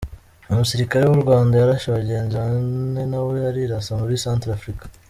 Umusirikare w’u Rwanda yarashe bagenzi bane nawe arirasa muri Cnetrafrika.